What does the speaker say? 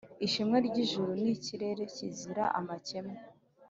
Ishema ry’ijuru ni ikirere kizira amakemwa,